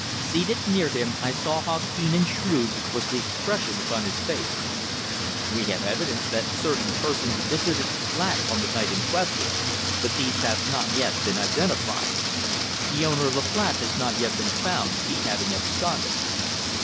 Seated near him, I saw how keen and shrewd was the expression upon his face. "We have evidence that certain persons visited the flat on the night in question, but these have not yet been identified. The owner of the flat has not yet been found, he having absconded."